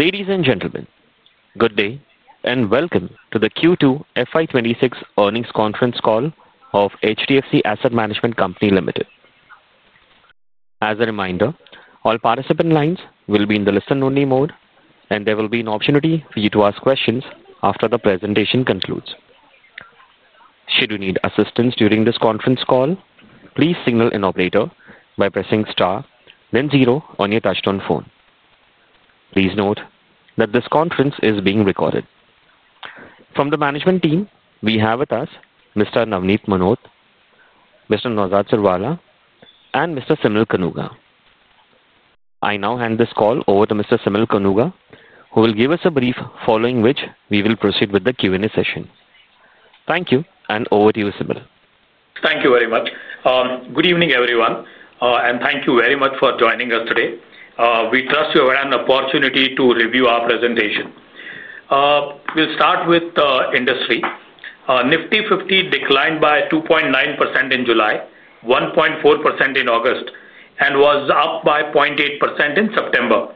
Ladies and gentlemen, good day and welcome to the Q2 FY26 earnings conference call of HDFC Asset Management Company Limited. As a reminder, all participant lines will be in the listen-only mode, and there will be an opportunity for you to ask questions after the presentation concludes. Should you need assistance during this conference call, please signal an operator by pressing * then 0 on your touchtone phone. Please note that this conference is being recorded. From the management team, we have with us Mr. Navneet Munot, Mr. Naozad Sirwalla, and Mr. Simal Kanuga. I now hand this call over to Mr. Simal Kanuga, who will give us a brief, following which we will proceed with the Q&A session. Thank you, and over to you, Simal. Thank you very much. Good evening, everyone, and thank you very much for joining us today. We trust you will have an opportunity to review our presentation. We'll start with the industry. Nifty 50 declined by 2.9% in July, 1.4% in August, and was up by 0.8% in September.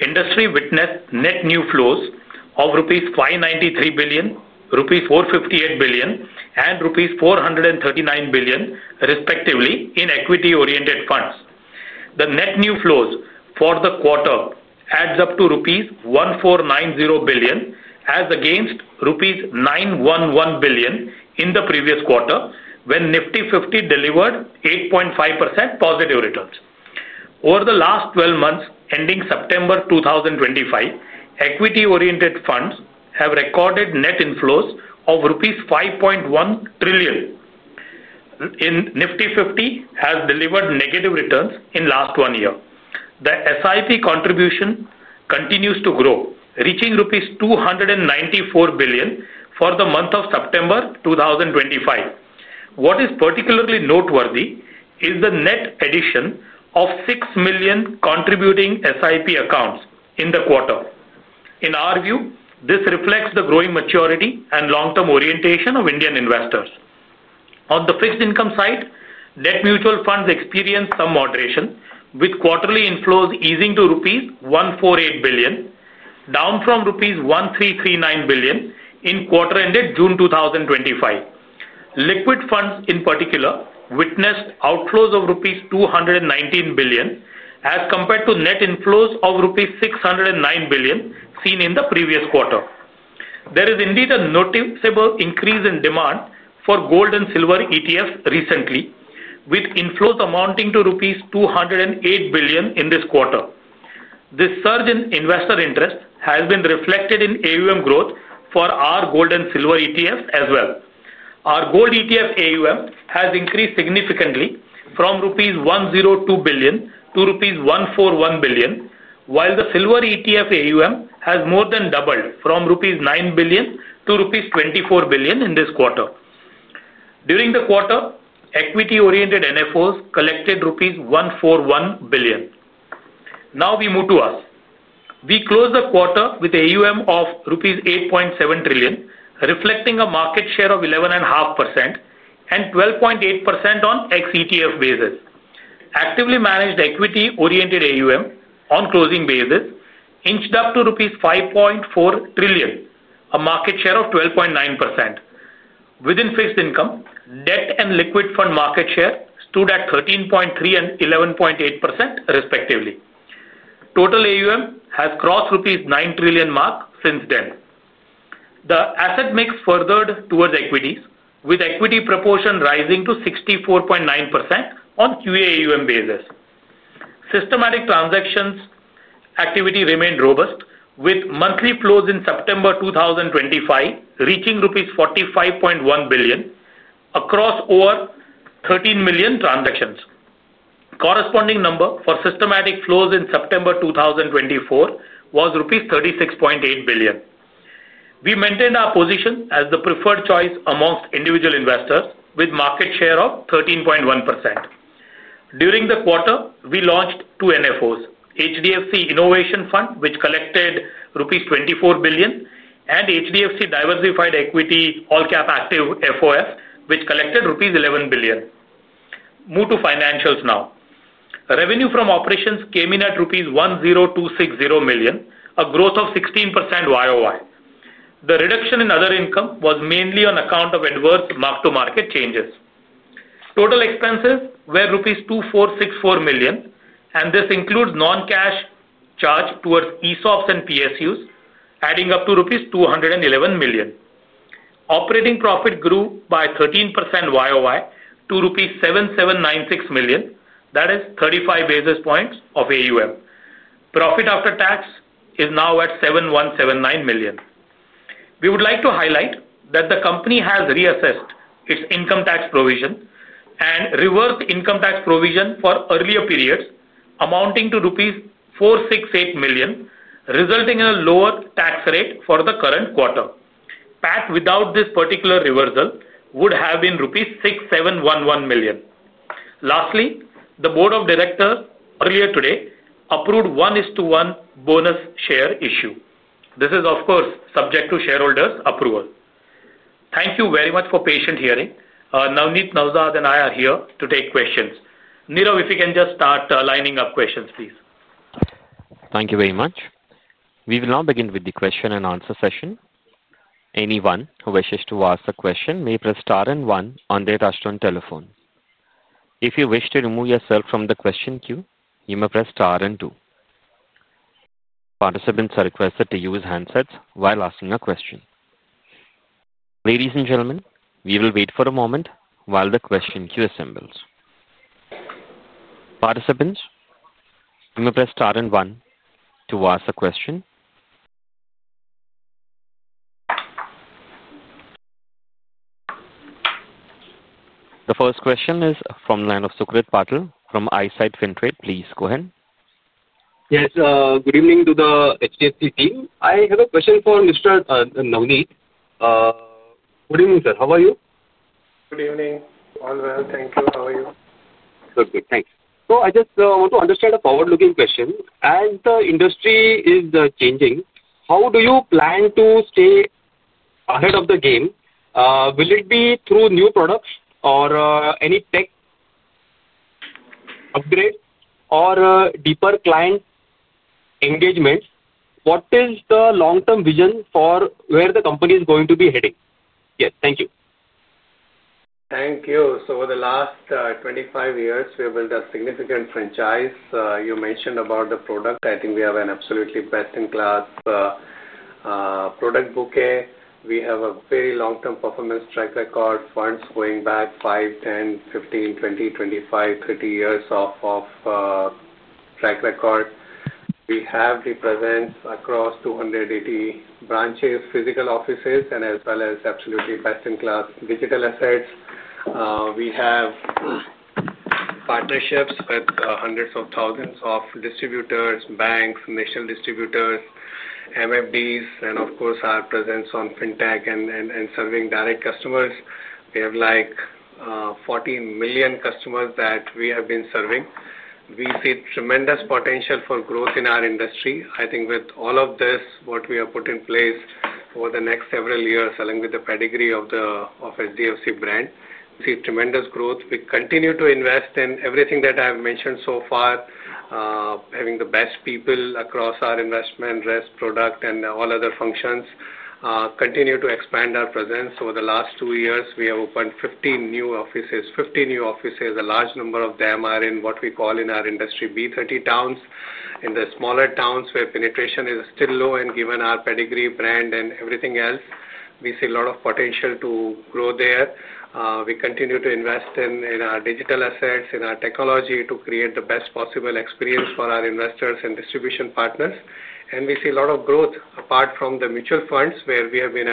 Industry witnessed net new flows of 593 billion rupees, 458 billion rupees, and rupees 439 billion, respectively, in equity-oriented funds. The net new flows for the quarter add up to rupees 1,490 billion, as against rupees 911 billion in the previous quarter, when Nifty 50 delivered 8.5% positive returns. Over the last 12 months ending September 2025, equity-oriented funds have recorded net inflows of rupees 5.1 trillion. Nifty 50 has delivered negative returns in the last one year. The SIP contribution continues to grow, reaching rupees 294 billion for the month of September 2025. What is particularly noteworthy is the net addition of 6 million contributing SIP accounts in the quarter. In our view, this reflects the growing maturity and long-term orientation of Indian investors. On the fixed income side, debt mutual funds experienced some moderation, with quarterly inflows easing to rupees 148 billion, down from rupees 1,339 billion in quarter-ended June 2025. Liquid funds, in particular, witnessed outflows of rupees 219 billion, as compared to net inflows of rupees 609 billion seen in the previous quarter. There is indeed a noticeable increase in demand for gold and silver ETFs recently, with inflows amounting to rupees 208 billion in this quarter. This surge in investor interest has been reflected in AUM growth for our gold and silver ETFs as well. Our gold ETF AUM has increased significantly from rupees 102 billion to rupees 141 billion, while the silver ETF AUM has more than doubled from rupees 9 billion to rupees 24 billion in this quarter. During the quarter, equity-oriented NFOs collected rupees 141 billion. Now we move to us. We close the quarter with AUM of rupees 8.7 trillion, reflecting a market share of 11.5% and 12.8% on ex-ETF basis. Actively managed equity-oriented AUM on closing basis inched up to rupees 5.4 trillion, a market share of 12.9%. Within fixed income, debt and liquid fund market share stood at 13.3% and 11.8%, respectively. Total AUM has crossed rupees 9 trillion mark since then. The asset mix furthered towards equities, with equity proportion rising to 64.9% on QAUM basis. Systematic transactions activity remained robust, with monthly flows in September 2025 reaching INR rupees 45.1 billion across over 13 million transactions. Corresponding number for systematic flows in September 2024 was INR 36.8 billion. We maintained our position as the preferred choice amongst individual investors, with market share of 13.1%. During the quarter, we launched two NFOs: HDFC Innovation Fund, which collected rupees 24 billion, and HDFC Diversified Equity All-Cap Active FOF, which collected rupees 11 billion. Move to financials now. Revenue from operations came in at rupees 10,260 million, a growth of 16% YOI. The reduction in other income was mainly on account of adverse mark-to-market changes. Total expenses were rupees 2,464 million, and this includes non-cash charge towards ESOPs and PSUs, adding up to rupees 211 million. Operating profit grew by 13% YOI to rupees 7,796 million. That is 35 basis points of AUM. Profit after tax is now at 7,179 million. We would like to highlight that the company has reassessed its income tax provision and reversed income tax provision for earlier periods, amounting to rupees 468 million, resulting in a lower tax rate for the current quarter. PAT, without this particular reversal, would have been rupees 6,711 million. Lastly, the Board of Directors, earlier today, approved a 1:1 bonus share issue. This is, of course, subject to shareholders' approval. Thank you very much for patient hearing. Navneet and Naozad, and I are here to take questions. Nirav, if you can just start lining up questions, please. Thank you very much. We will now begin with the question and answer session. Anyone who wishes to ask a question may press *1 on their touchtone telephone. If you wish to remove yourself from the question queue, you may press *2. Participants are requested to use handsets while asking a question. Ladies and gentlemen, we will wait for a moment while the question queue assembles. Participants, you may press *1 to ask a question. The first question is from the line of Sukhret Patil from Eyesight Fintrade. Please go ahead. Yes, good evening to the HDFC team. I have a question for Mr. Navneet. Good evening, sir. How are you? Good evening. All well, thank you. How are you? Good, good, thanks. I just want to understand a forward-looking question. As the industry is changing, how do you plan to stay ahead of the game? Will it be through new products or any tech upgrades or deeper client engagements? What is the long-term vision for where the company is going to be heading? Yes, thank you. Thank you. Over the last 25 years, we have built a significant franchise. You mentioned about the product. I think we have an absolutely best-in-class product bouquet. We have a very long-term performance track record, funds going back 5, 10, 15, 20, 25, 30 years of track record. We have representation across 280 branches, physical offices, as well as absolutely best-in-class digital assets. We have partnerships with hundreds of thousands of distributors, banks, national distributors, MFDs, and of course, our presence on fintech and serving direct customers. We have 14 million customers that we have been serving. We see tremendous potential for growth in our industry. I think with all of this, what we have put in place over the next several years, along with the pedigree of the HDFC brand, we see tremendous growth. We continue to invest in everything that I have mentioned so far, having the best people across our investment, rest, product, and all other functions. We continue to expand our presence. Over the last two years, we have opened 15 new offices. Fifteen new offices, a large number of them are in what we call in our industry B30 towns, in the smaller towns where penetration is still low, and given our pedigree, brand, and everything else, we see a lot of potential to grow there. We continue to invest in our digital assets, in our technology to create the best possible experience for our investors and distribution partners. We see a lot of growth apart from the mutual funds where we have been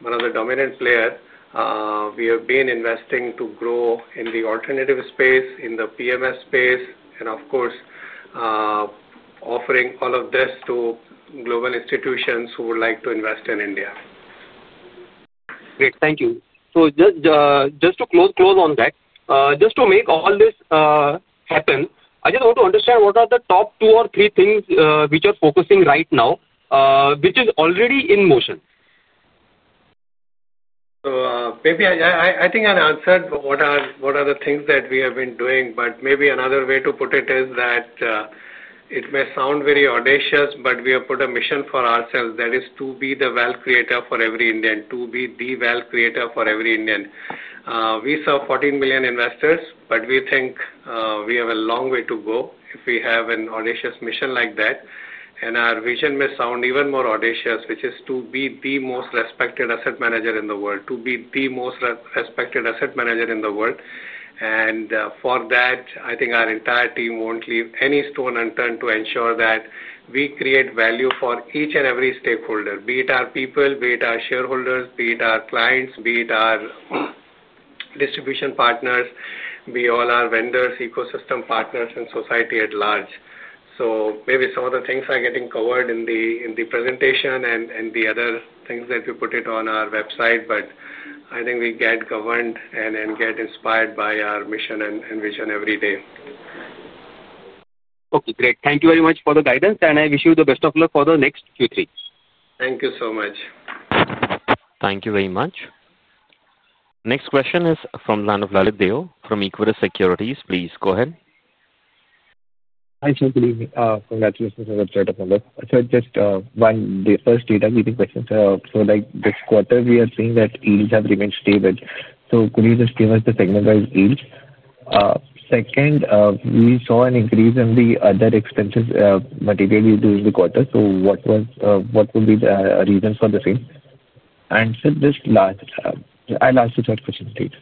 one of the dominant players. We have been investing to grow in the alternative space, in the PMS space, and of course, offering all of this to global institutions who would like to invest in India. Great, thank you. Just to close on that, just to make all this happen, I just want to understand what are the top two or three things which are focusing right now, which is already in motion. I think I answered what are the things that we have been doing, but maybe another way to put it is that it may sound very audacious, but we have put a mission for ourselves that is to be the wealth creator for every Indian, to be the wealth creator for every Indian. We serve 14 million investors, but we think we have a long way to go if we have an audacious mission like that. Our vision may sound even more audacious, which is to be the most respected asset manager in the world, to be the most respected asset manager in the world. For that, I think our entire team won't leave any stone unturned to ensure that we create value for each and every stakeholder, be it our people, be it our shareholders, be it our clients, be it our distribution partners, be all our vendors, ecosystem partners, and society at large. Some of the things are getting covered in the presentation and the other things that we put on our website, but I think we get governed and get inspired by our mission and vision every day. Okay, great. Thank you very much for the guidance, and I wish you the best of luck for the next Q3. Thank you so much. Thank you very much. Next question is from the line of Lalit Deo from Equirus Securities. Please go ahead. Hi, Sukhdeep. Congratulations on the product developer report. Just one first data-feeding question. This quarter, we are seeing that yields have remained stable. Could you just give us the segment-wise yield? We saw an increase in the other expenses materially during the quarter. What would be the reason for the same? I'll ask you that question later.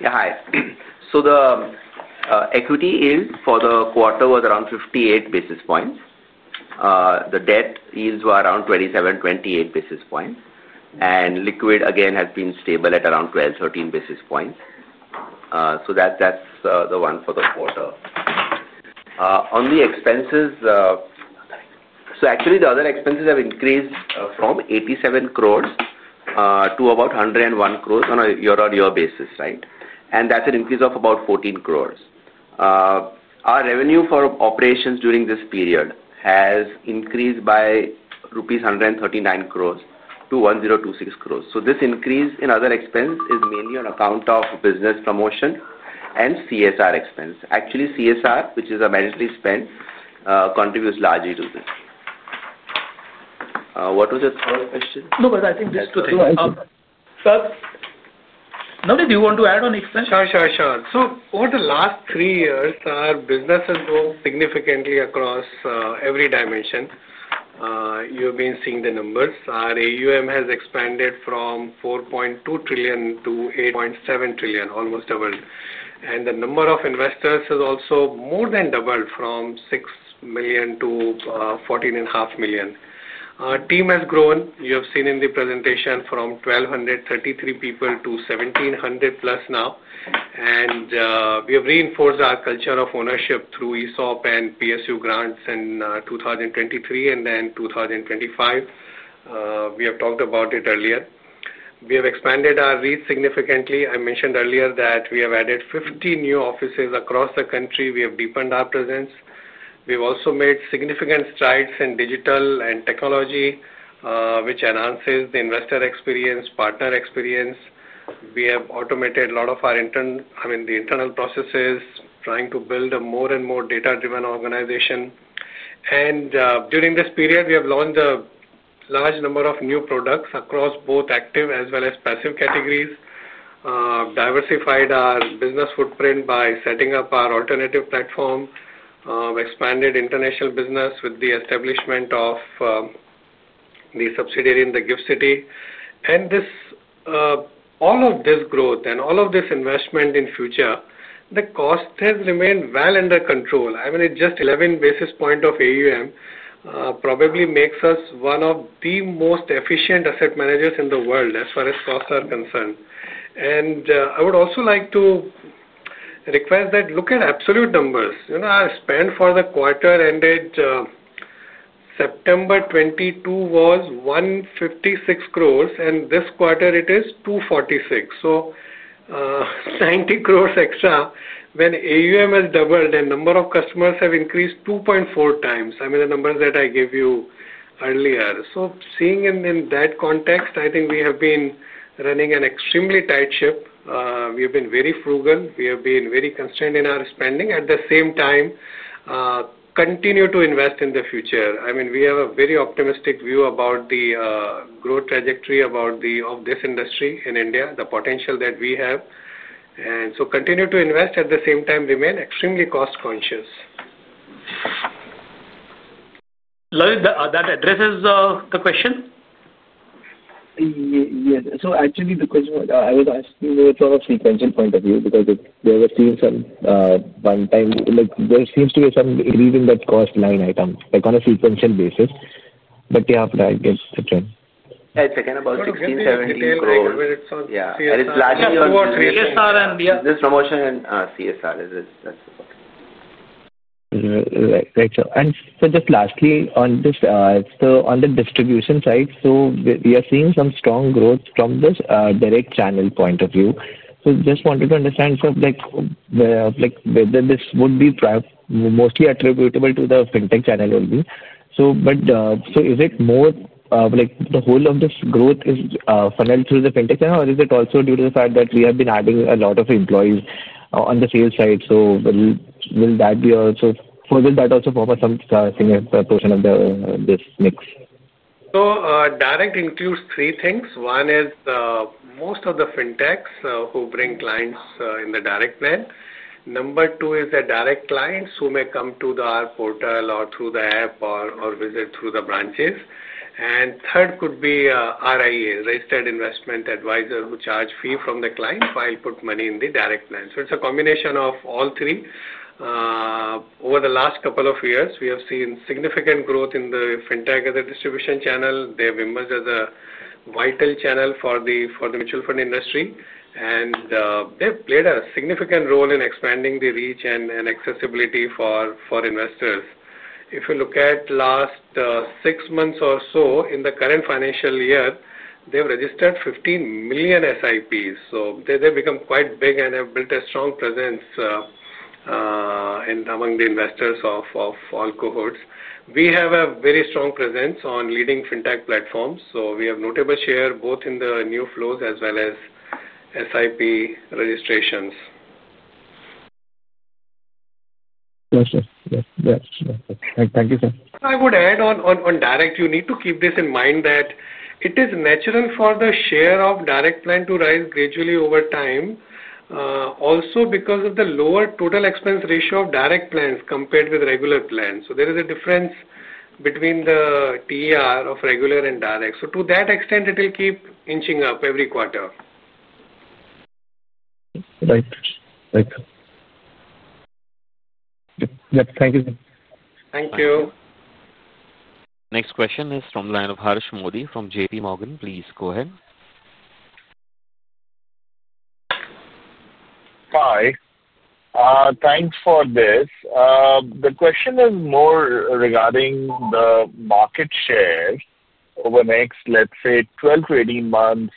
Yeah, hi. The equity yield for the quarter was around 58 basis points. The debt yields were around 27, 28 basis points. Liquid, again, has been stable at around 12, 13 basis points. That's the one for the quarter. On the expenses, the other expenses have increased from 87 crore to about 101 crore on a year-on-year basis, right? That's an increase of about 14 crore. Our revenue from operations during this period has increased by rupees 139 crore to 1,026 crore. This increase in other expense is mainly on account of business promotion and CSR expense. CSR, which is a mandatory spend, contributes largely to this. What was your third question? No, I think this is good. Now, did you want to add on expense? Over the last three years, our business has grown significantly across every dimension. You have been seeing the numbers. Our AUM has expanded from 4.2 trillion-8.7 trillion, almost doubled. The number of investors has also more than doubled from 6 million-14.5 million. Our team has grown. You have seen in the presentation from 1,233 people to 1,700 plus now. We have reinforced our culture of ownership through ESOP and PSU grants in 2023 and then 2025. We have talked about it earlier. We have expanded our reach significantly. I mentioned earlier that we have added 15 new offices across the country. We have deepened our presence. We have also made significant strides in digital and technology, which enhances the investor experience and partner experience. We have automated a lot of our internal processes, trying to build a more and more data-driven organization. During this period, we have launched a large number of new products across both active as well as passive categories. We have diversified our business footprint by setting up our alternative platform. We expanded international business with the establishment of the subsidiary in GIFT City. All of this growth and all of this investment in future, the cost has remained well under control. It is just 11 basis points of AUM, probably makes us one of the most efficient asset managers in the world as far as costs are concerned. I would also like to request that you look at absolute numbers. Our spend for the quarter ended September 2022 was 156 crore, and this quarter it is 246 crore. So 90 crore extra when AUM has doubled and the number of customers have increased 2.4x. The numbers that I gave you earlier. Seeing in that context, I think we have been running an extremely tight ship. We have been very frugal. We have been very constrained in our spending. At the same time, continue to invest in the future. We have a very optimistic view about the growth trajectory of this industry in India, the potential that we have. Continue to invest. At the same time, remain extremely cost-conscious. Lalit, that addresses the question? Yes. Actually, the question I was asking was from a sequential point of view because there was still some one-time, like there seems to be some reason that cost line item, like on a sequential basis. I guess it's a trend. Yeah, it's again about 1,670 crore. Yeah, and it's largely on CSR. Yeah, this promotion and CSR. That's the question. Right. So just lastly on this, on the distribution side, we are seeing some strong growth from this direct channel point of view. I just wanted to understand whether this would be mostly attributable to the fintech channel only. Is the whole of this growth funneled through the fintech channel, or is it also due to the fact that we have been adding a lot of employees on the sales side? Will that also form a significant proportion of this mix? Direct includes three things. One is most of the fintechs who bring clients in the direct plan. Number two is the direct clients who may come to our portal or through the app or visit through the branches. Third could be RIA, Registered Investment Advisor, who charge fee from the client while putting money in the direct plan. It's a combination of all three. Over the last couple of years, we have seen significant growth in the fintech as a distribution channel. They've emerged as a vital channel for the mutual fund industry. They've played a significant role in expanding the reach and accessibility for investors. If you look at the last six months or so in the current financial year, they've registered 15 million SIPs. They've become quite big and have built a strong presence among the investors of all cohorts. We have a very strong presence on leading fintech platforms. We have a notable share both in the new flows as well as SIP registrations. Sure. Yes. Thank you, sir. I would add on direct, you need to keep this in mind that it is natural for the share of direct plan to rise gradually over time, also because of the lower total expense ratio of direct plans compared with regular plans. There is a difference between the TER of regular and direct, so to that extent, it will keep inching up every quarter. Right. Right. Yep. Thank you. Thank you. Next question is from the line of Harish Modi from JP Morgan. Please go ahead. Hi. Thanks for this. The question is more regarding the market share over the next, let's say, 12-18 months.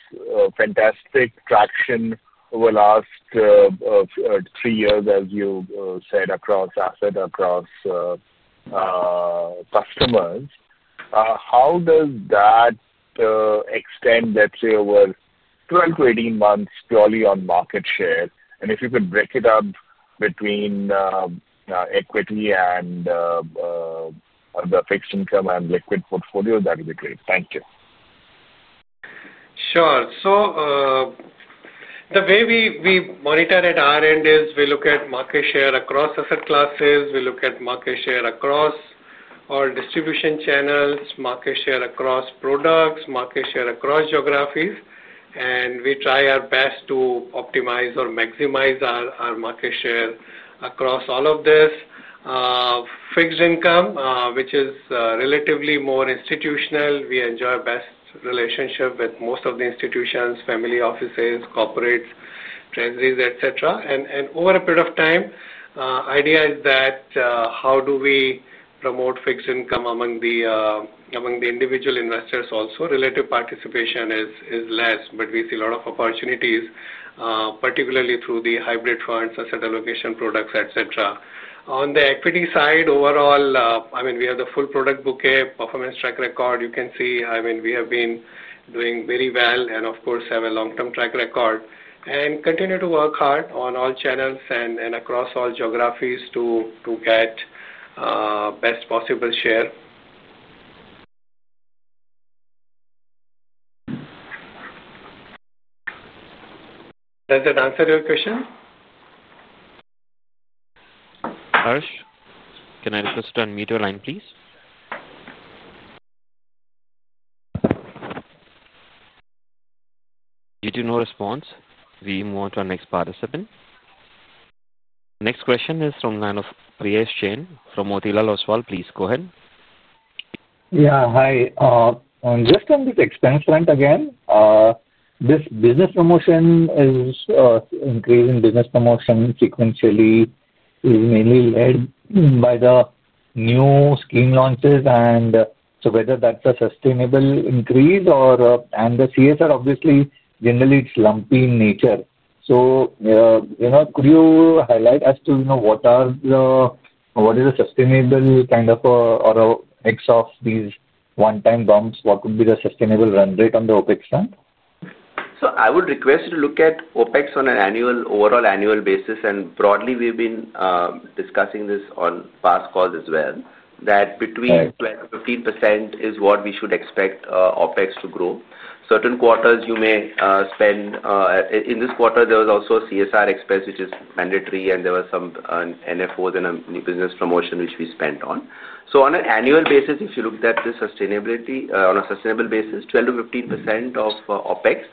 Fantastic traction over the last three years, as you said, across asset, across customers. How does that extend, let's say, over 12-18 months purely on market share? If you could break it up between equity and the fixed income and liquid portfolio, that would be great. Thank you. Sure. The way we monitor at our end is we look at market share across asset classes. We look at market share across our distribution channels, market share across products, market share across geographies. We try our best to optimize or maximize our market share across all of this. Fixed income, which is relatively more institutional, we enjoy best relationships with most of the institutions, family offices, corporates, treasuries, etc. Over a period of time, the idea is that how do we promote fixed income among the individual investors also? Relative participation is less, but we see a lot of opportunities, particularly through the hybrid funds, asset allocation products, etc. On the equity side, overall, we have the full product bouquet, performance track record. You can see we have been doing very well and, of course, have a long-term track record and continue to work hard on all channels and across all geographies to get the best possible share. Does that answer your question? Harish, can I request you to unmute your line, please? There is no response. We move on to our next participant. Next question is from the line of Priya Shain from Motilal Oswal. Please go ahead. Yeah, hi. Just on this expense front again, this business promotion, increase in business promotion sequentially is mainly led by the new scheme launches. Whether that's a sustainable increase, and the CSR, obviously, generally, it's lumpy in nature. Could you highlight as to what are the, what is a sustainable kind of, or a mix of these one-time bumps? What would be the sustainable run rate on the OpEx front? I would request you to look at OPEX on an overall annual basis. Broadly, we've been discussing this on past calls as well, that between 12% to 15% is what we should expect OPEX to grow. Certain quarters, you may spend. In this quarter, there was also a CSR expense, which is mandatory, and there were some NFOs and a new business promotion, which we spent on. On an annual basis, if you look at the sustainability, on a sustainable basis, 12%-15% of OPEX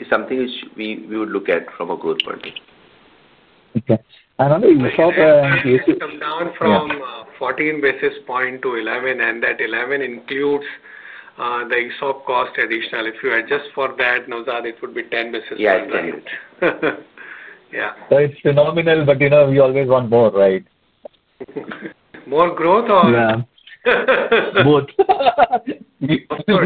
is something which we would look at from a growth point of view. Okay. On the ESOP, we have come down from 14 basis points to 11, and that 11 includes the ESOP cost additional. If you adjust for that, Naozad, it would be 10 basis points. Yeah, 10 is it. Yeah. It's phenomenal, but you know we always want more, right? More growth or? Yeah. Both. That's what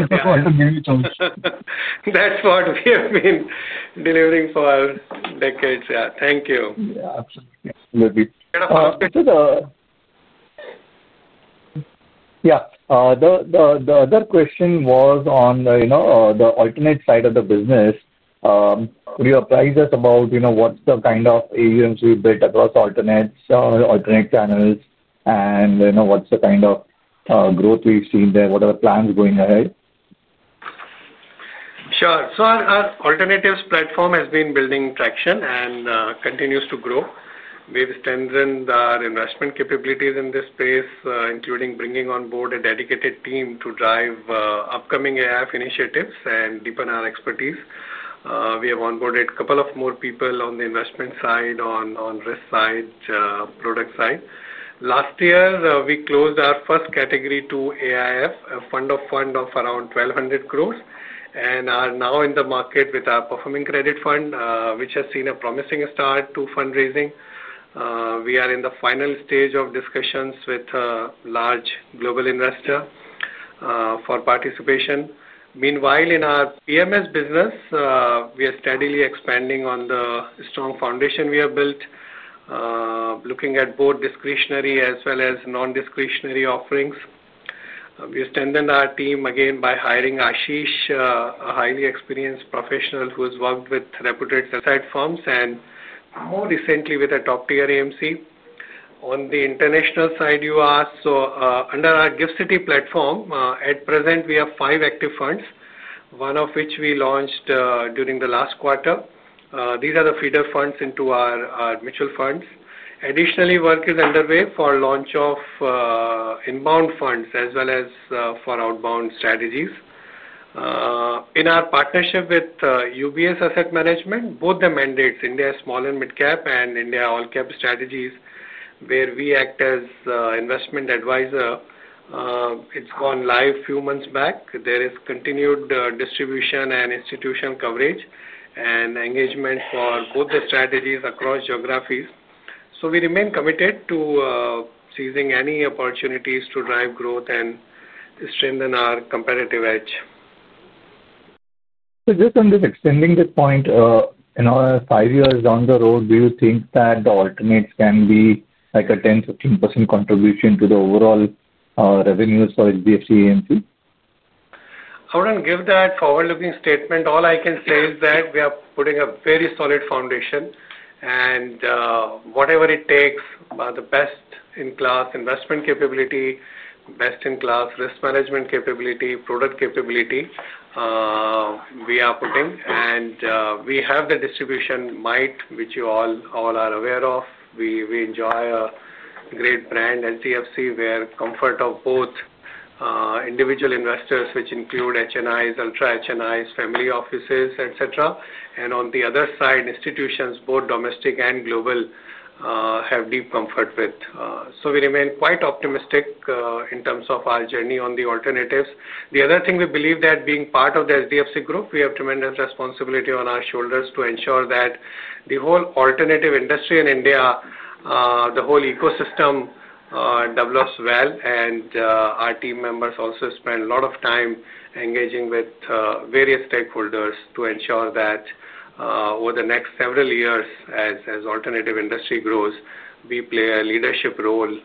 we have been delivering for decades. Thank you. Yeah, absolutely. Absolutely. Yeah, the other question was on the, you know, the alternate side of the business. Could you apprise us about, you know, what's the kind of AUMs we've built across alternates, alternate channels, and you know, what's the kind of growth we've seen there? What are the plans going ahead? Sure. Our alternatives platform has been building traction and continues to grow. We've strengthened our investment capabilities in this space, including bringing on board a dedicated team to drive upcoming AI initiatives and deepen our expertise. We have onboarded a couple more people on the investment side, on the risk side, and product side. Last year, we closed our first Category II AIF, a fund of fund of around 1.2 billion, and are now in the market with our Performing Credit Fund, which has seen a promising start to fundraising. We are in the final stage of discussions with a large global investor for participation. Meanwhile, in our PMS business, we are steadily expanding on the strong foundation we have built, looking at both discretionary as well as non-discretionary offerings. We have strengthened our team again by hiring Ashish, a highly experienced professional who has worked with reputed tech firms and more recently with a top-tier AMC. On the international side, you asked, under our GIFT City platform, at present, we have five active funds, one of which we launched during the last quarter. These are the feeder funds into our mutual funds. Additionally, work is underway for the launch of inbound funds as well as for outbound strategies. In our partnership with UBS Asset Management, both the mandates, India small and mid-cap and India all-cap strategies, where we act as an investment advisor, have gone live a few months back. There is continued distribution and institutional coverage and engagement for both the strategies across geographies. We remain committed to seizing any opportunities to drive growth and strengthen our competitive edge. Just on this, extending this point, in our five years down the road, do you think that the alternates can be like a 10%, 15% contribution to the overall revenues for HDFC AMC? I wouldn't give that forward-looking statement. All I can say is that we are putting a very solid foundation, and whatever it takes, the best-in-class investment capability, best-in-class risk management capability, product capability, we are putting. We have the distribution might, which you all are aware of. We enjoy a great brand, HDFC, where the comfort of both individual investors, which include HNIs, ultra HNIs, family offices, etc., and on the other side, institutions, both domestic and global, have deep comfort with. We remain quite optimistic in terms of our journey on the alternatives. We believe that being part of the HDFC group, we have tremendous responsibility on our shoulders to ensure that the whole alternative industry in India, the whole ecosystem, develops well. Our team members also spend a lot of time engaging with various stakeholders to ensure that over the next several years, as the alternative industry grows, we play a leadership role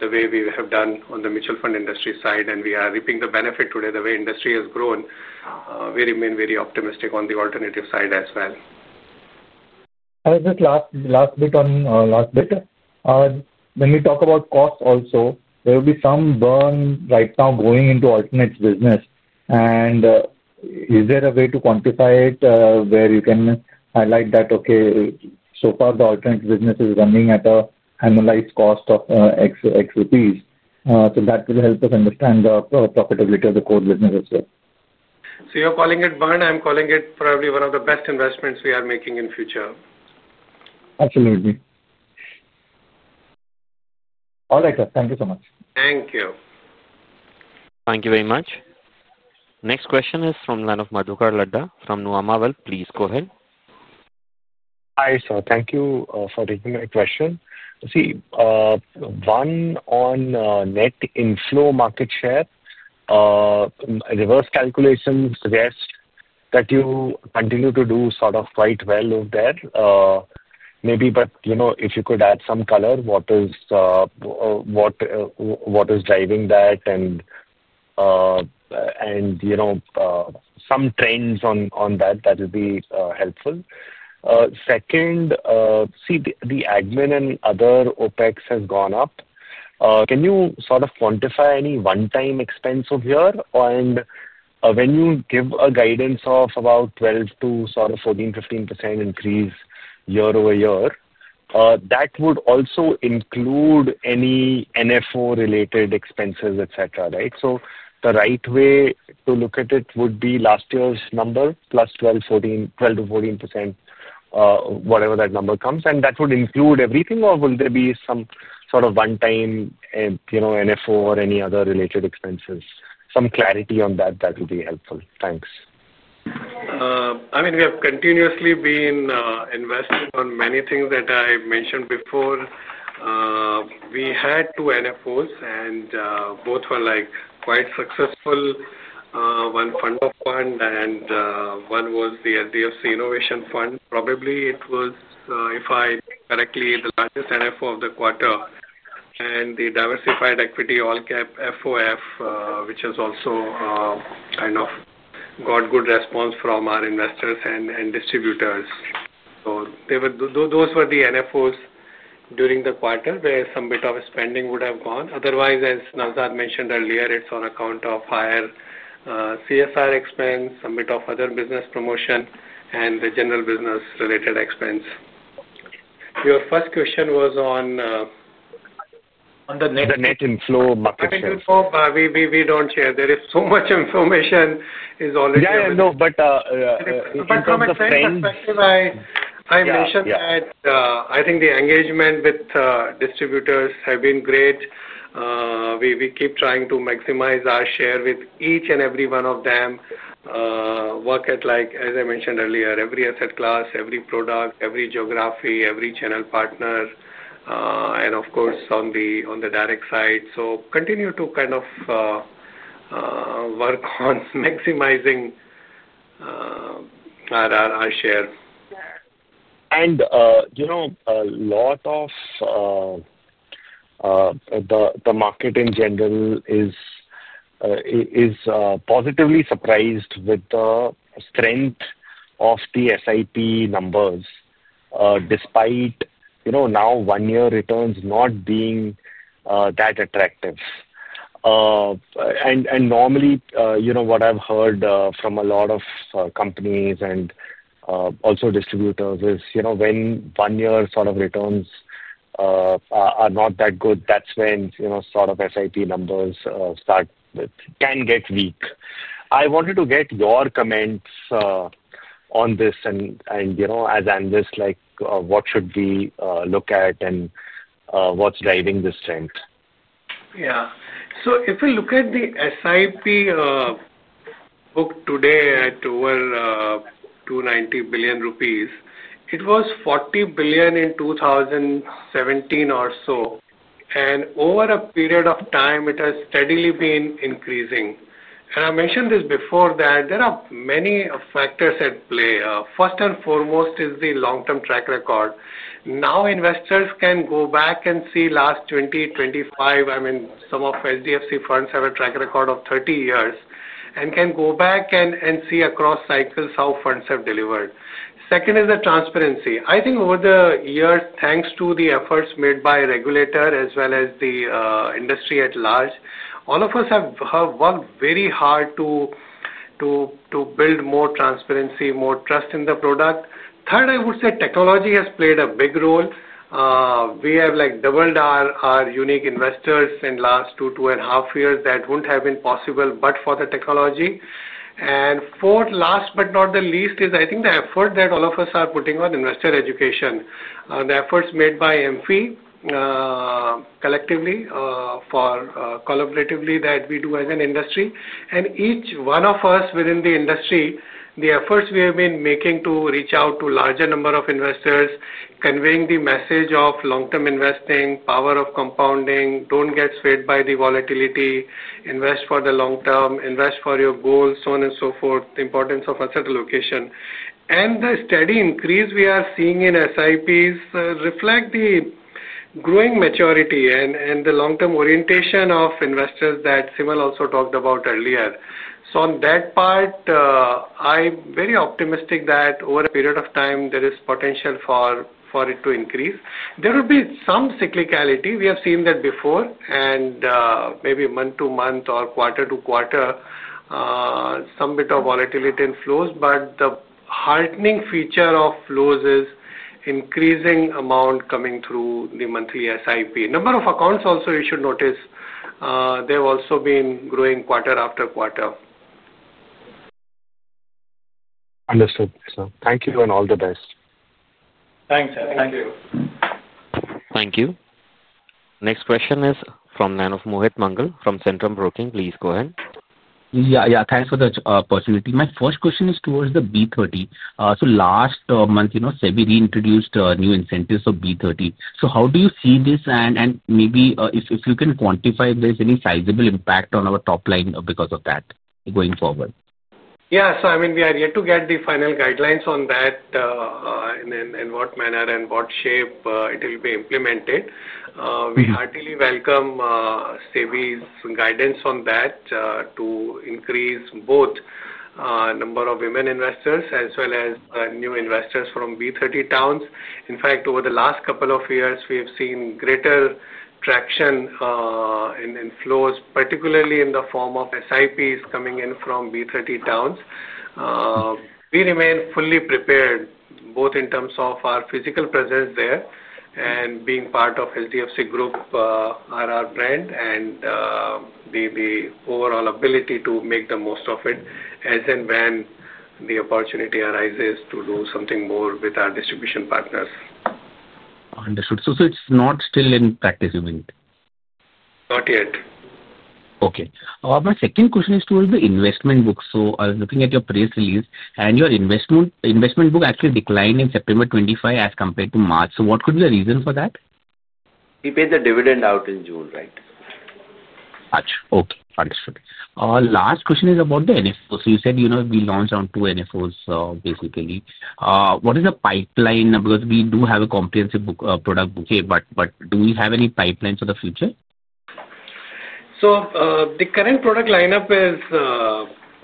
the way we have done on the mutual fund industry side. We are reaping the benefit today the way industry has grown. We remain very optimistic on the alternative side as well. I have just last bit on last bit. When we talk about costs also, there will be some burn right now going into alternates business. Is there a way to quantify it where you can highlight that, okay, so far the alternate business is running at an annualized cost of INR X? That will help us understand the profitability of the core business as well. You're calling it burn. I'm calling it probably one of the best investments we are making in the future. Absolutely. All right, sir. Thank you so much. Thank you. Thank you very much. Next question is from the line of Madhukar Ladda from New Amba Wealth. Please go ahead. Hi, sir. Thank you for taking my question. One on net inflow market share. Reverse calculations suggest that you continue to do quite well over there. Maybe, if you could add some color, what is driving that and some trends on that, that would be helpful. Second, the admin and other OpEx has gone up. Can you quantify any one-time expense over here? When you give a guidance of about 12% to 14-15% increase year over year, that would also include any NFO-related expenses, right? The right way to look at it would be last year's number plus 12%-14%, whatever that number comes. That would include everything, or will there be some one-time NFO or any other related expenses? Some clarity on that, that would be helpful. Thanks. I mean, we have continuously been investing on many things that I mentioned before. We had two NFOs, and both were quite successful. One fund of fund, and one was the HDFC Innovation Fund. Probably it was, if I think correctly, the largest NFO of the quarter. The HDFC Diversified Equity All-Cap Active Fund of Fund (FOF), which has also kind of got good response from our investors and distributors. Those were the NFOs during the quarter where some bit of spending would have gone. Otherwise, as Naozad Sirwalla mentioned earlier, it's on account of higher CSR expense, a bit of other business promotion, and the general business-related expense. Your first question was on. On the net inflow market share. The net inflow, we don't share. There is so much information already there. Yeah, no, but. From a trend perspective, I mentioned that I think the engagement with distributors has been great. We keep trying to maximize our share with each and every one of them. Work at, like I mentioned earlier, every asset class, every product, every geography, every channel partner, and of course, on the direct side. Continue to kind of work on maximizing our share. A lot of the market in general is positively surprised with the strength of the SIP numbers despite, you know, now one-year returns not being that attractive. Normally, what I've heard from a lot of companies and also distributors is, when one-year sort of returns are not that good, that's when SIP numbers can get weak. I wanted to get your comments on this. As analysts, what should we look at and what's driving this trend? Yeah. If we look at the SIP book today at over 290 billion rupees, it was 40 billion in 2017 or so. Over a period of time, it has steadily been increasing. I mentioned this before that there are many factors at play. First and foremost is the long-term track record. Now investors can go back and see last 20, 25. I mean, some of HDFC funds have a track record of 30 years and can go back and see across cycles how funds have delivered. Second is the transparency. I think over the years, thanks to the efforts made by the regulator as well as the industry at large, all of us have worked very hard to build more transparency, more trust in the product. Third, I would say technology has played a big role. We have doubled our unique investors in the last two, two and a half years. That wouldn't have been possible but for the technology. Fourth, last but not the least, is the effort that all of us are putting on investor education, the efforts made by AMFI collectively for collaboratively that we do as an industry. Each one of us within the industry, the efforts we have been making to reach out to a larger number of investors, conveying the message of long-term investing, power of compounding, don't get swayed by the volatility, invest for the long term, invest for your goals, so on and so forth, the importance of asset allocation. The steady increase we are seeing in SIPs reflects the growing maturity and the long-term orientation of investors that Simal also talked about earlier. On that part, I'm very optimistic that over a period of time, there is potential for it to increase. There would be some cyclicality. We have seen that before, and maybe month to month or quarter to quarter, some bit of volatility in flows. The heartening feature of flows is an increasing amount coming through the monthly SIP. Number of accounts also, you should notice, they've also been growing quarter after quarter. Understood, sir. Thank you and all the best. Thanks, sir. Thank you. Thank you. Next question is from the line of Mohit Mangal from Centrum Broking. Please go ahead. Yeah, yeah. Thanks for the opportunity. My first question is towards the B30. Last month, you know, SEBI reintroduced new incentives for B30. How do you see this? Maybe if you can quantify if there's any sizable impact on our top line because of that going forward. Yeah. We are yet to get the final guidelines on that, and in what manner and what shape it will be implemented. We heartily welcome SEBI's guidance on that, to increase both the number of women investors as well as new investors from B30 towns. In fact, over the last couple of years, we have seen greater traction and flows, particularly in the form of SIPs coming in from B30 towns. We remain fully prepared, both in terms of our physical presence there and being part of HDFC Group, our brand, and the overall ability to make the most of it as and when the opportunity arises to do something more with our distribution partners. Understood. It's not still in practice, you mean? Not yet. Okay. Our second question is towards the investment book. I was looking at your press release, and your investment book actually declined in September 2025 as compared to March. What could be the reason for that? We paid the dividend out in June, right? Gotcha. Okay. Understood. Our last question is about the NFO. You said, you know, we launched on two NFOs, basically. What is the pipeline? We do have a comprehensive product bouquet, but do we have any pipeline for the future? The current product lineup is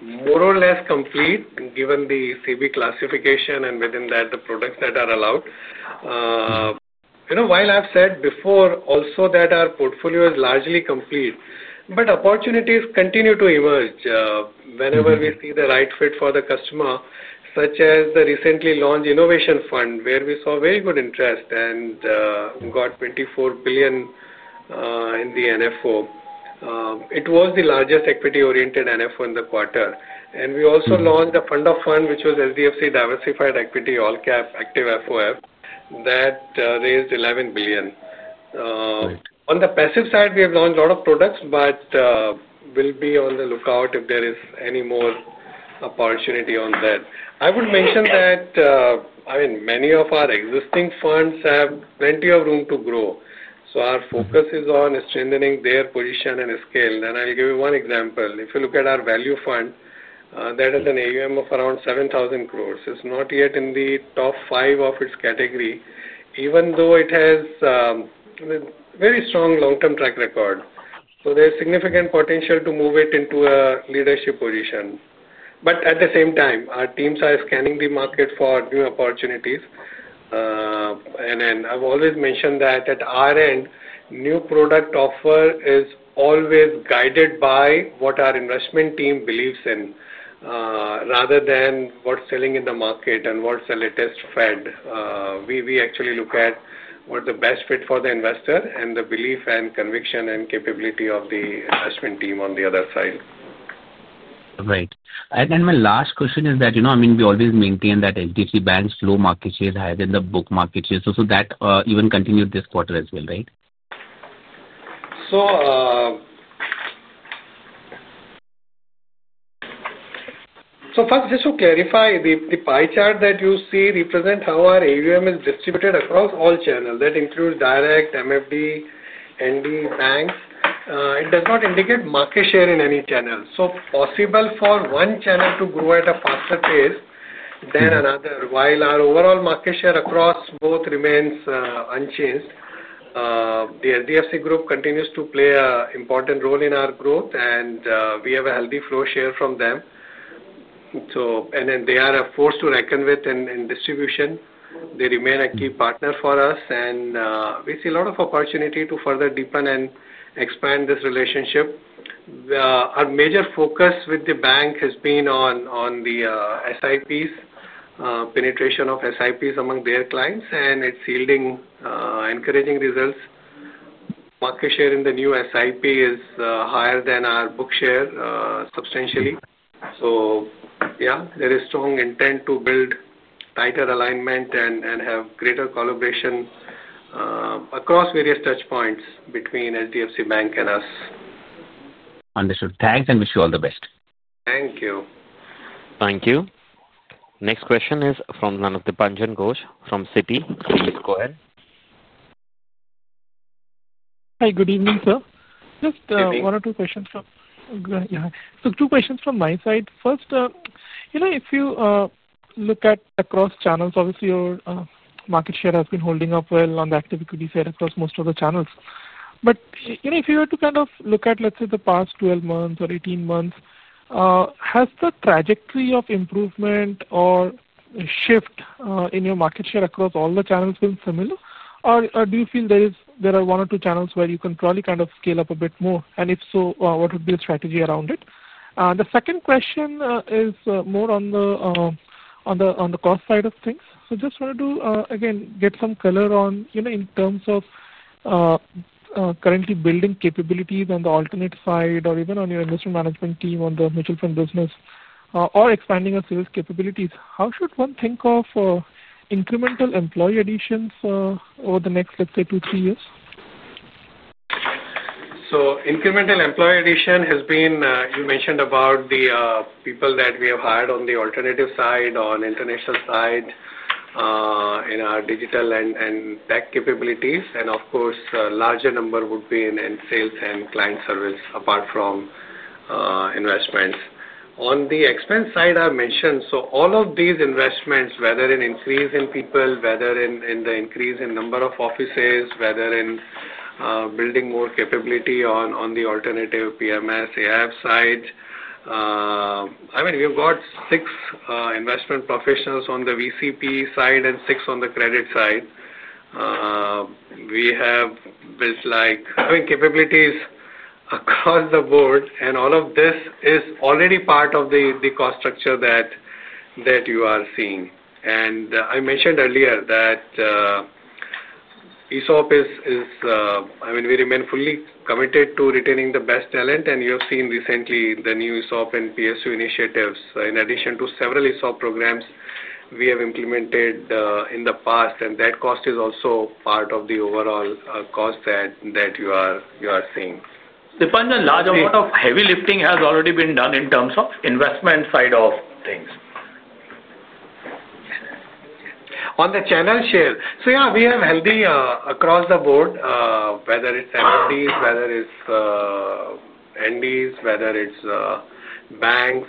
more or less complete given the SEBI classification and within that, the products that are allowed. While I've said before also that our portfolio is largely complete, opportunities continue to emerge whenever we see the right fit for the customer, such as the recently launched HDFC Innovation Fund, where we saw very good interest and got 24 billion in the NFO. It was the largest equity-oriented NFO in the quarter. We also launched a fund of fund, which was HDFC Diversified Equity All-Cap Active FOF that raised 11 billion. On the passive side, we have launched a lot of products, but we'll be on the lookout if there is any more opportunity on that. I would mention that many of our existing funds have plenty of room to grow. Our focus is on strengthening their position and scale. I'll give you one example. If you look at our value fund, that is an AUM of around 7,000 crore. It's not yet in the top five of its category, even though it has a very strong long-term track record. There is significant potential to move it into a leadership position. At the same time, our teams are scanning the market for new opportunities. I've always mentioned that at our end, new product offer is always guided by what our investment team believes in, rather than what's selling in the market and what's the latest fad. We actually look at what's the best fit for the investor and the belief and conviction and capability of the investment team on the other side. Right. My last question is that, you know, I mean, we always maintain that HDFC Bank's flow market share is higher than the book market share. That even continued this quarter as well, right? First, just to clarify, the pie chart that you see represents how our AUM is distributed across all channels. That includes direct, MFD, ND, banks. It does not indicate market share in any channel. It's possible for one channel to grow at a faster pace than another. While our overall market share across both remains unchanged, the HDFC Group continues to play an important role in our growth, and we have a healthy flow share from them. They are a force to reckon with in distribution. They remain a key partner for us, and we see a lot of opportunity to further deepen and expand this relationship. Our major focus with the bank has been on the SIPs, penetration of SIPs among their clients, and it's yielding encouraging results. Market share in the new SIP is higher than our book share substantially. There is strong intent to build tighter alignment and have greater collaboration across various touchpoints between HDFC Bank and us. Understood. Thanks, and wish you all the best. Thank you. Thank you. Next question is from the line of Dipanjan Ghosh from Citi. Please go ahead. Hi, good evening, sir. Just one or two questions. Good evening. Yeah. Two questions from my side. First, if you look at across channels, obviously, your market share has been holding up well on the active equity side across most of the channels. If you were to kind of look at, let's say, the past 12 months or 18 months, has the trajectory of improvement or a shift in your market share across all the channels been similar, or do you feel there are one or two channels where you can probably kind of scale up a bit more? If so, what would be the strategy around it? The second question is more on the cost side of things. I just wanted to, again, get some color on, in terms of currently building capabilities on the alternate side or even on your investment management team on the mutual fund business or expanding on sales capabilities. How should one think of incremental employee additions over the next, let's say, two to three years? Incremental employee addition has been, you mentioned about the people that we have hired on the alternative side, on the international side, in our digital and tech capabilities. Of course, a larger number would be in sales and client service apart from investments. On the expense side, I mentioned, all of these investments, whether in increase in people, whether in the increase in number of offices, whether in building more capability on the alternative PMS AIF side, we've got six investment professionals on the VCP side and six on the credit side. We have built like having capabilities across the board. All of this is already part of the cost structure that you are seeing. I mentioned earlier that ESOP is, I mean, we remain fully committed to retaining the best talent. You have seen recently the new ESOP and PSU initiatives, in addition to several ESOP programs we have implemented in the past. That cost is also part of the overall cost that you are seeing. It depends on large amount of heavy lifting has already been done in terms of investment side of things. On the channel share, yeah, we have healthy across the board, whether it's MFDs, whether it's NDs, whether it's banks,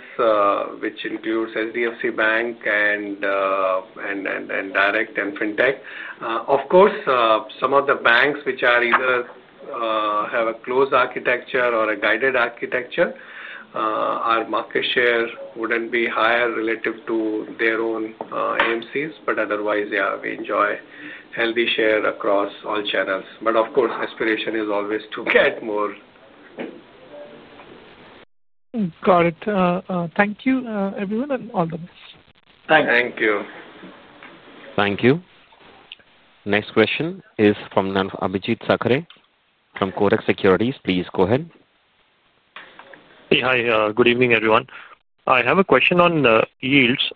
which includes HDFC Bank and Direct and FinTech. Of course, some of the banks which either have a closed architecture or a guided architecture, our market share wouldn't be higher relative to their own AMCs. Otherwise, yeah, we enjoy healthy share across all channels. Of course, aspiration is always to get more. Got it. Thank you, everyone, and all the best. Thank you. Thank you. Thank you. Next question is from the line of Abhijit Sakare from Codex Securities. Please go ahead. Hi. Good evening, everyone. I have a question on the yields.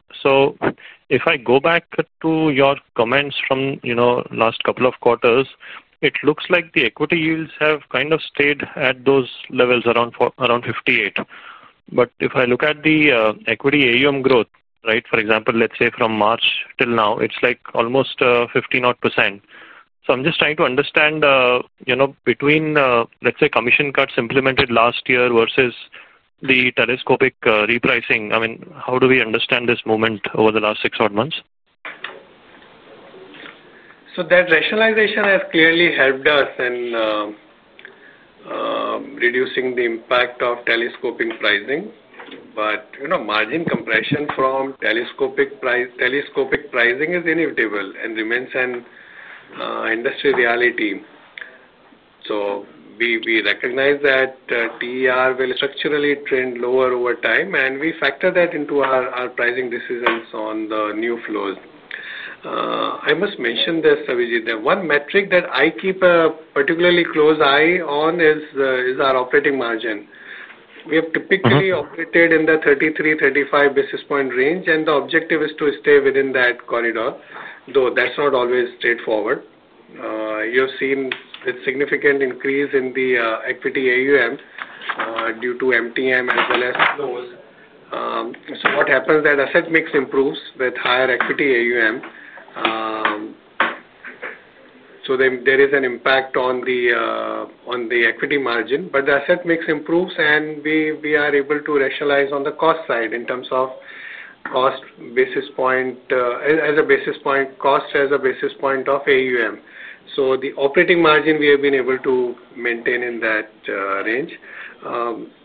If I go back to your comments from the last couple of quarters, it looks like the equity yields have kind of stayed at those levels around 58. If I look at the equity AUM growth, for example, let's say from March till now, it's like almost 15% odd. I'm just trying to understand, between, let's say, commission cuts implemented last year versus the telescopic repricing, how do we understand this movement over the last six odd months? That rationalization has clearly helped us in reducing the impact of telescoping pricing. Margin compression from telescopic pricing is inevitable and remains an industry reality. We recognize that TER will structurally trend lower over time, and we factor that into our pricing decisions on the new flows. I must mention this, Abhijit, that one metric that I keep a particularly close eye on is our operating margin. We have typically operated in the 33, 35 basis point range, and the objective is to stay within that corridor, though that's not always straightforward. You have seen a significant increase in the equity AUM due to MTM as well as flows. What happens is that asset mix improves with higher equity AUM. There is an impact on the equity margin, but the asset mix improves, and we are able to rationalize on the cost side in terms of cost as a basis point of AUM. The operating margin we have been able to maintain in that range.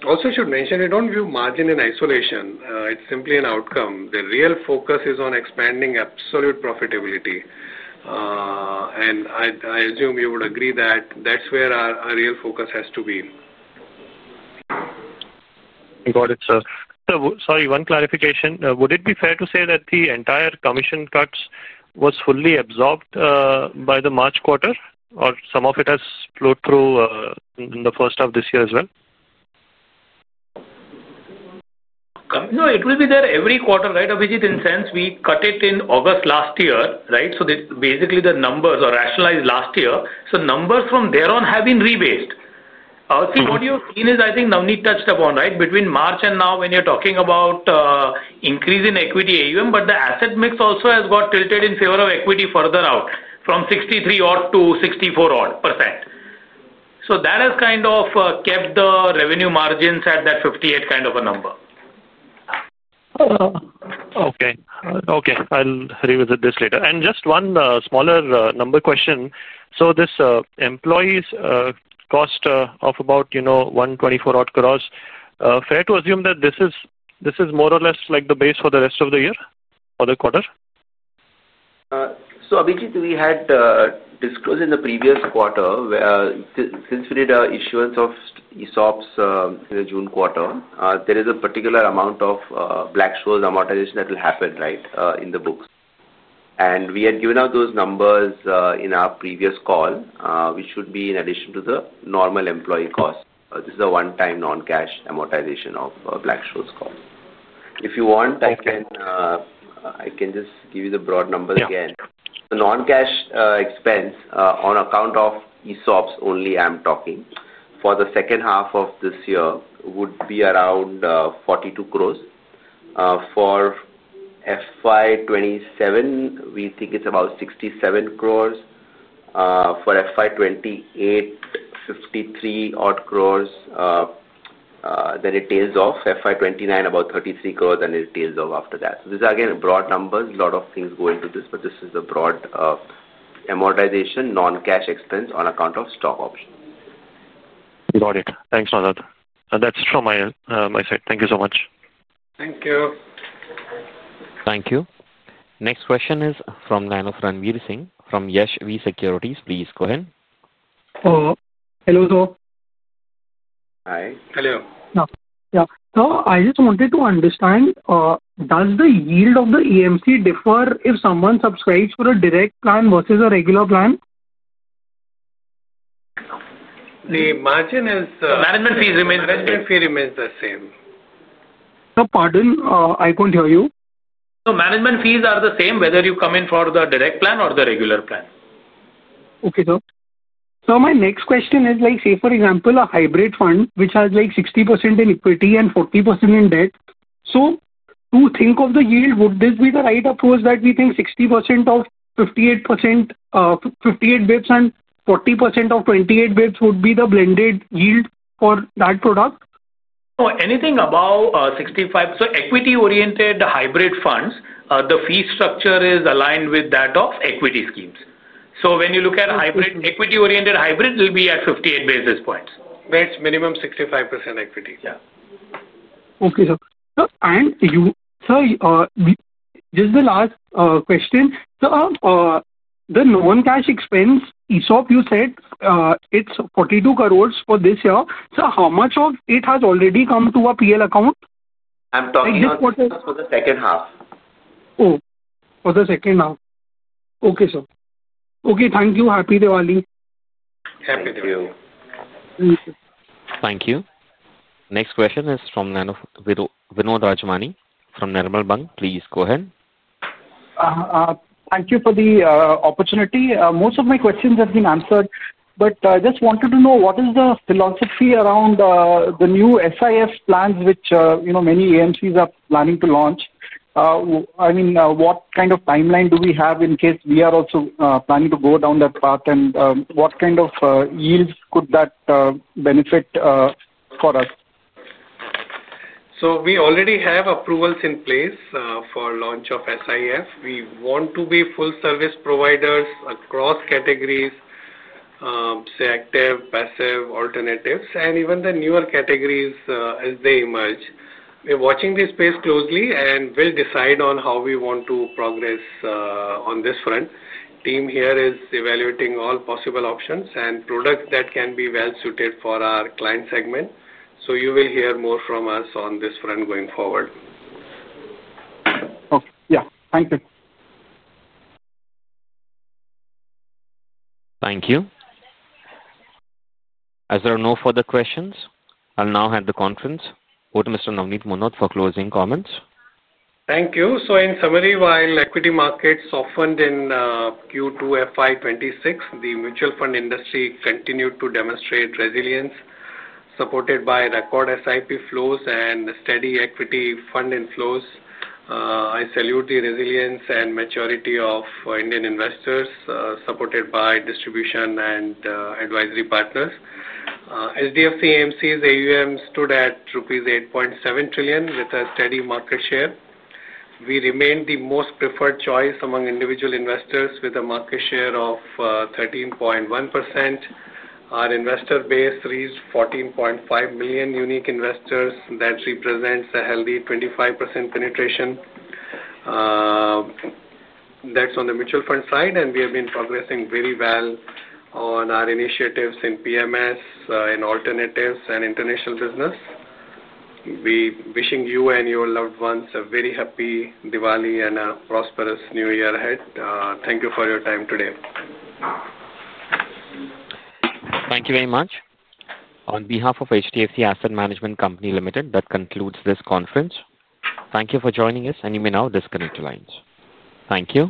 Also, I should mention we don't view margin in isolation. It's simply an outcome. The real focus is on expanding absolute profitability. I assume you would agree that that's where our real focus has to be. Got it, sir. Sorry, one clarification. Would it be fair to say that the entire commission cuts were fully absorbed by the March quarter, or some of it has flowed through in the first half of this year as well? No, it will be there every quarter, right, Abhijit, in the sense we cut it in August last year, right? Basically, the numbers are rationalized last year. Numbers from there on have been rebased. See, what you've seen is, I think Navneet touched upon, right, between March and now when you're talking about increasing equity AUM, but the asset mix also has got tilted in favor of equity further out from 63%-64%. That has kind of kept the revenue margins at that 58% kind of a number. Okay. I'll revisit this later. Just one smaller number question. This employees' cost of about 124 crore, fair to assume that this is more or less like the base for the rest of the year or the quarter? Abhijit, we had disclosed in the previous quarter, since we did our issuance of ESOPs in the June quarter, there is a particular amount of Black-Scholes amortization that will happen, right, in the books. We had given out those numbers in our previous call, which should be in addition to the normal employee cost. This is a one-time non-cash amortization of Black-Scholes cost. If you want, I can just give you the broad numbers again. The non-cash expense on account of ESOPs only, I'm talking for the second half of this year, would be around 42 crore. For FY 2027, we think it's about 67 crore. For FY 2028, 53 crore, then it tails off. FY 2029, about 33 crore, and it tails off after that. These are, again, broad numbers. A lot of things go into this, but this is the broad amortization non-cash expense on account of stock options. Got it. Thanks for that. That's from my side. Thank you so much. Thank you. Thank you. Next question is from the line of Ranveer Singh from Yash V Securities. Please go ahead. Hello, sir. Hi. Hello. Yeah. I just wanted to understand, does the yield of the AMC differ if someone subscribes for a direct plan versus a regular plan? The margin is. Management fees remain the same. Sir, pardon, I couldn't hear you. Management fees are the same whether you come in for the direct plan or the regular plan. Okay, sir. My next question is, like, say, for example, a hybrid fund which has 60% in equity and 40% in debt. To think of the yield, would this be the right approach that we think 60% of 58 basis points and 40% of 28 basis points would be the blended yield for that product? Anything above 65, so equity-oriented hybrid funds, the fee structure is aligned with that of equity schemes. When you look at hybrid, equity-oriented hybrid, it will be at 58 basis points. Which minimum 65% equity. Yeah. Okay, sir. This is the last question. The non-cash expense ESOP, you said, it's 42 crore for this year. How much of it has already come to a P&L account? I'm talking about the second half. Oh, for the second half. Okay, sir. Okay, thank you. Happy Diwali. Happy Diwali. Thank you. Thank you. Next question is from the line of Vinod Rajmani from Nirmal Bang. Please go ahead. Thank you for the opportunity. Most of my questions have been answered, but I just wanted to know what is the philosophy around the new SIP plans which, you know, many AMCs are planning to launch? I mean, what kind of timeline do we have in case we are also planning to go down that path? What kind of yields could that benefit for us? We already have approvals in place for launch of SIF. We want to be full-service providers across categories, say, active, passive, alternatives, and even the newer categories as they emerge. We are watching this space closely and will decide on how we want to progress on this front. The team here is evaluating all possible options and products that can be well-suited for our client segment. You will hear more from us on this front going forward. Okay. Yeah. Thank you. Thank you. As there are no further questions, I'll now hand the conference over to Mr. Navneet Munot for closing comments. Thank you. In summary, while equity markets softened in Q2 FY 2026, the mutual fund industry continued to demonstrate resilience, supported by record SIP flows and steady equity funding flows. I salute the resilience and maturity of Indian investors, supported by distribution and advisory partners. HDFC AMC's AUM stood at rupees 8.7 trillion with a steady market share. We remained the most preferred choice among individual investors with a market share of 13.1%. Our investor base reached 14.5 million unique investors. That represents a healthy 25% penetration. That's on the mutual fund side, and we have been progressing very well on our initiatives in PMS and alternatives and international business. We are wishing you and your loved ones a very happy Diwali and a prosperous New Year ahead. Thank you for your time today. Thank you very much. On behalf of HDFC Asset Management Company Limited, that concludes this conference. Thank you for joining us, and you may now disconnect the lines. Thank you.